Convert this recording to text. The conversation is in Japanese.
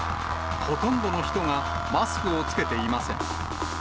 ほとんどの人がマスクを着けていません。